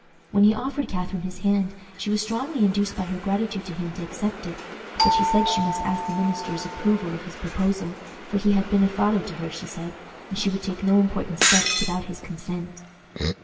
When he offered Catharine his hand, she was strongly induced by her gratitude to him to accept it, but she said she must ask the minister's approval of his proposal, for he had been a father to her, she said, and she would take no important step without his consent.